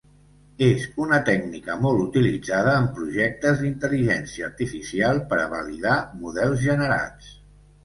És una tècnica molt utilitzada en projectes d'intel·ligència artificial per a validar models generats.